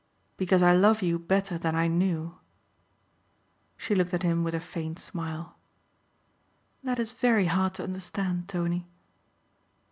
"Because I love you better than I knew." She looked at him with a faint smile. "That is very hard to understand, Tony."